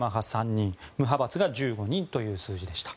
３人無派閥が１５人という数字でした。